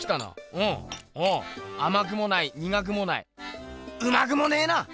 うんおおあまくもないにがくもないうまくもねえな！